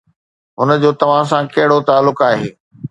هن جو توهان سان ڪهڙو تعلق آهي